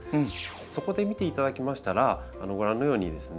そこで見ていただきましたらご覧のようにですね